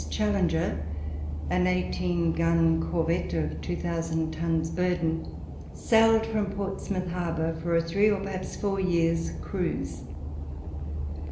Challenger, an eighteen gun corvette, of 2,000 tons burden, sailed from Portsmouth harbour for a three, or perhaps four, years' cruise.